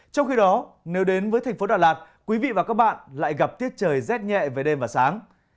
trong khi đó nếu đến với thành phố đà lạt quý vị và các bạn lại gặp tiết trời rét nhẹ về đêm và sáng